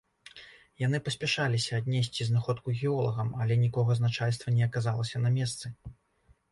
Яны паспяшаліся аднесці знаходку геолагам, але нікога з начальства не аказалася на месцы.